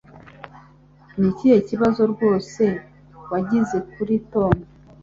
Ni ikihe kibazo rwose wagize kuri Tom?